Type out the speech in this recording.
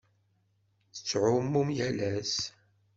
Tettɛummum yal ass?